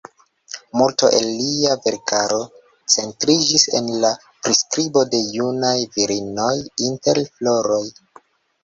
Multo el lia verkaro centriĝis en la priskribo de junaj virinoj inter floroj.